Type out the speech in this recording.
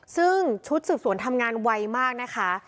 ซึ่งชุดสืบสวนทำงานไวมากนะคะ